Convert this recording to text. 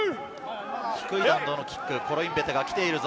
低い弾道のキック、コロインベテが来ているぞ。